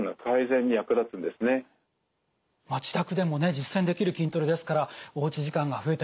自宅でもね実践できる筋トレですからおうち時間が増えた